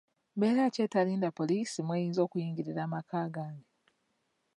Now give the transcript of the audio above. Mbeera ki etalinda poliisi mw'eyinza okuyingirira mu maka gange?